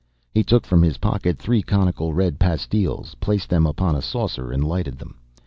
He took from his pocket three conical red pastils, placed them upon a saucer and lighted them.